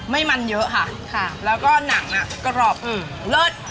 ไม่มันเยอะค่ะแล้วก็หนังอ่ะกรอบเลิศ